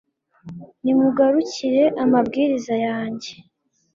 nimugarukire amabwiriza yanjye